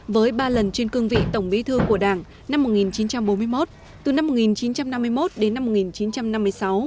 với ba lần trên cương vị tổng bí thư của đảng năm một nghìn chín trăm bốn mươi một từ năm một nghìn chín trăm năm mươi một đến năm một nghìn chín trăm năm mươi sáu